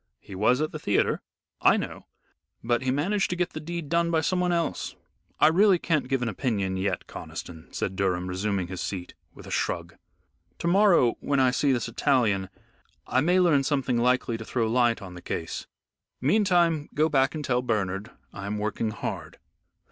"He was at the theatre." "I know, but he managed to get the deed done by someone else. I really can't give an opinion yet, Conniston," said Durham resuming his seat, with a shrug; "to morrow, when I see this Italian, I may learn something likely to throw light on the case. Meantime go back and tell Bernard I am working hard."